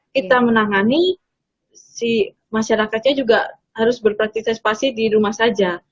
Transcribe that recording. kita menangani si masyarakatnya juga harus berpraktisipasi di rumah saja